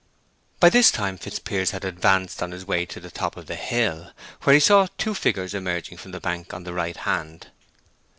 By this time Fitzpiers had advanced on his way to the top of the hill, where he saw two figures emerging from the bank on the right hand.